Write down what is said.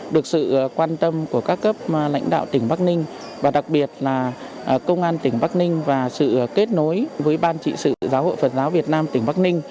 được sự quan tâm của các cấp lãnh đạo tỉnh bắc ninh và đặc biệt là công an tỉnh bắc ninh và sự kết nối với ban trị sự giáo hội phật giáo việt nam tỉnh bắc ninh